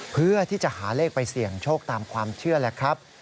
เพื่อที่จะหาเลขไปเสี่ยงโชคตามความเชื่อแหละครับ